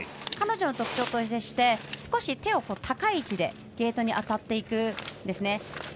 彼女の特徴として少し手を高い位置でゲートに当たっていくんですね。